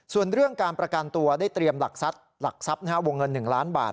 ส่วนเรื่องการประการตัวได้เตรียมหลักทรัพย์๑ล้านบาท